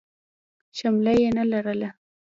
شمله يې نه لرله.